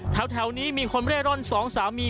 แถวนี้มีคนเร่ร่อนสองสามี